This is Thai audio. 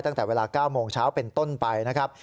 ตั้งแต่เวลา๙โมงเช้าเป็นต้นไปนะครับ